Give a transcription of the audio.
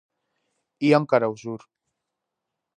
Ían cara ao sur.